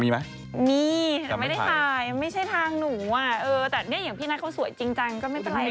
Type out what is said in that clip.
มีไหมมีแต่ไม่ได้ถ่ายไม่ใช่ทางหนูอ่ะเออแต่เนี่ยอย่างพี่นัทเขาสวยจริงจังก็ไม่เป็นไร